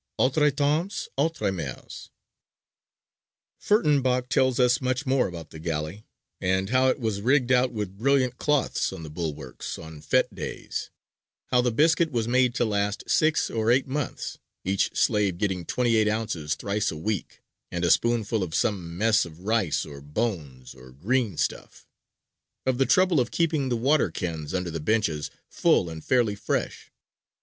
Autres temps, autres moeurs! Furttenbach tells us much more about the galley; and how it was rigged out with brilliant cloths on the bulwarks on fête days; how the biscuit was made to last six or eight months, each slave getting twenty eight ounces thrice a week, and a spoonful of some mess of rice or bones or green stuff; of the trouble of keeping the water cans under the benches full and fairly fresh.